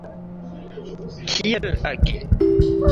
Kiel agi?